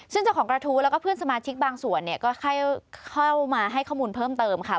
ซึ่งเจ้าของกระทู้แล้วก็เพื่อนสมาชิกบางส่วนเนี่ยก็เข้ามาให้ข้อมูลเพิ่มเติมค่ะ